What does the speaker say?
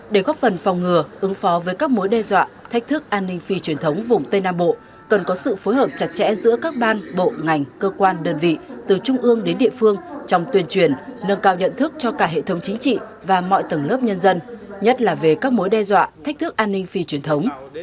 để góp phần phòng ngừa ứng phó với các mối đe dọa thách thức an ninh phi truyền thống vùng tây nam bộ cần có sự phối hợp chặt chẽ giữa các ban bộ ngành cơ quan đơn vị từ trung ương đến địa phương trong tuyên truyền nâng cao nhận thức cho cả hệ thống chính trị và mọi tầng lớp nhân dân nhất là về các mối đe dọa thách thức an ninh phi truyền thống